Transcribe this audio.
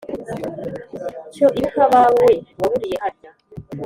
cyo ibuka abawe waburiye harya